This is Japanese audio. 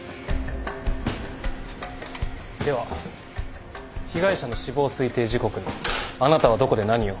では被害者の死亡推定時刻にあなたはどこで何を？